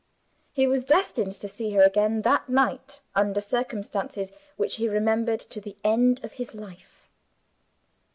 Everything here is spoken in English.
He was destined to see her again, that night under circumstances which he remembered to the end of his life.